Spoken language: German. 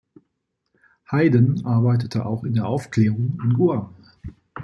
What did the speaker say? Hayden arbeitete auch in der Aufklärung in Guam.